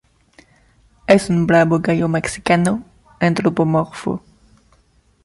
Es un bravo gallo mexicano, antropomorfo.